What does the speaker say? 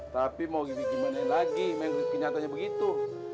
tapi mau gini gimana lagi kenyataannya begitu